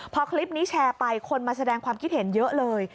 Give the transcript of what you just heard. พอคลิปนี้แชร์ไปคนมาแสดงความคิดเห็นเยอะเลย